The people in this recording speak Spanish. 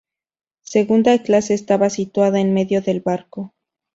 Segunda clase estaba situada en medio del barco.